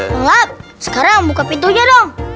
bang lahap sekarang buka pintunya dong